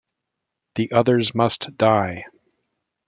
The others must die.